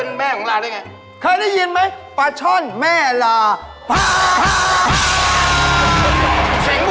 น้องดูแลดีลูกค้าเข้าร้าน